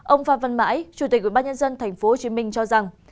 ông phan văn mãi chủ tịch ubnd tp hcm cho rằng